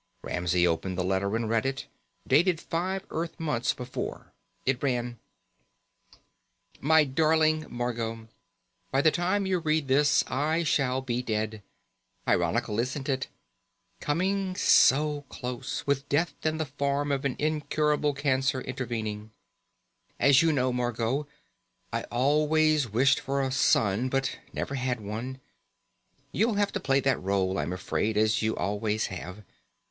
Ramsey opened the letter and read it. Dated five Earth months before, it ran: _My darling Margot: By the time you read this I shall be dead. Ironical, isn't it? Coming so close with death in the form of an incurable cancer intervening._ _As you know, Margot, I always wished for a son but never had one. You'll have to play that role, I'm afraid, as you always have.